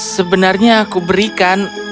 sebenarnya aku berikan